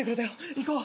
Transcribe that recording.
行こう。